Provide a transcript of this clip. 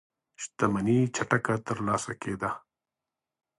شتمنۍ چټکه ترلاسه کېده.